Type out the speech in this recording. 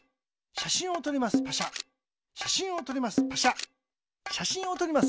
しゃしんをとります。